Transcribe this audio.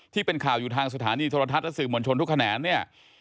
ที่เป็นข่าวอยู่ทางสถานีโทรทัศน์และสื่อมวลชนทุกแขนงเนี่ย